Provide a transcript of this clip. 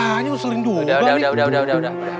makanya sering doang